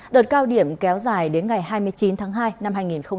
đợt cao điểm kéo dài đến ngày hai mươi chín tháng hai năm hai nghìn hai mươi